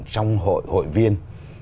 trong hội viên